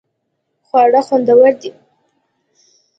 خواړه خوندور دې